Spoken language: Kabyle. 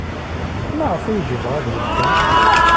Maɣef ay yebɣa ad yeddu?